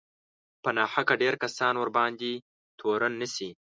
په ناحقه ډېر کسان ورباندې تورن نه شي